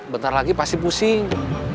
bentar lagi pasti pusing